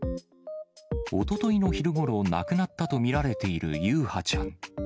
おとといの昼ごろ、亡くなったと見られている優陽ちゃん。